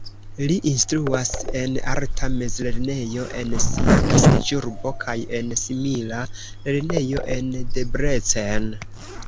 Li instruas en arta mezlernejo en sia naskiĝurbo kaj en simila lernejo en Debrecen.